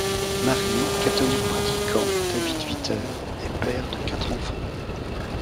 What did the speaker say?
Marié, catholique pratiquant, David Vitter est père de quatre enfants.